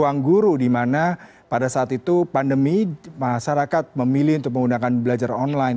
ruang guru dimana pada saat itu pandemi masyarakat memilih untuk menggunakan belajar online